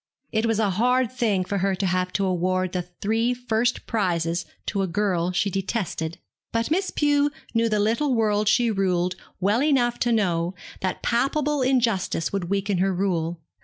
It was a hard thing for her to have to award the three first prizes to a girl she detested; but Miss Pew knew the little world she ruled well enough to know that palpable injustice would weaken her rule.